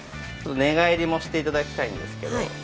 寝返りもして頂きたいんですけど。